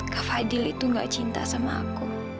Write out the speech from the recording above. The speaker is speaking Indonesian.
kak fadil itu gak cinta sama aku